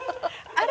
あれ？